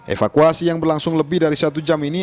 evakuasi yang berlangsung lebih dari satu jam ini